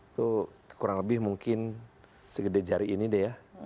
itu kurang lebih mungkin segede jari ini deh ya